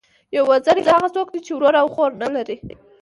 یو وزری، هغه څوک دئ، چي ورور او خور نه لري.